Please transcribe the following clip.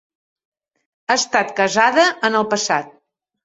Ha estat casada en el passat.